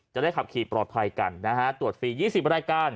จะได้ขับขี่ปลอดภัยกันนะฮะตรวจฟรี๒๐รายการ